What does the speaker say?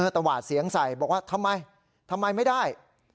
ตวาดเสียงใส่บอกว่าทำไมทำไมไม่ได้